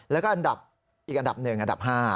แล้วก็อันดับอีกอันดับหนึ่งอันดับ๕